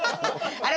あれ